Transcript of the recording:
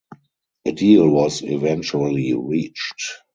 A deal was eventually reached.